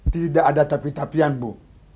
tidak ada tapi tapian bu